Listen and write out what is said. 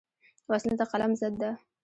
وسله د قلم ضد ده